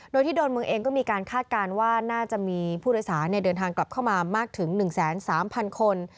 โดยที่ดอนเมืองเองก็มีการคาดการณ์ว่าน่าจะมีผู้โดยสารเดินทางกลับเข้ามามากถึง๑๓๐๐คน